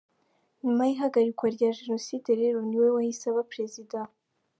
Nyuma y’ihagarikwa rya Jenoside rero niwe wahise aba Perezida.